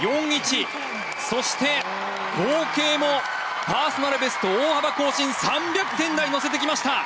そして合計もパーソナルベスト大幅更新３００点台乗せてきました。